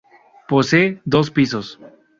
Posee dos pisos.